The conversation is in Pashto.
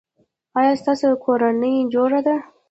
ایا ستاسو کورنۍ جوړه ده؟